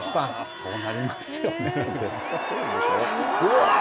そうなりますよね。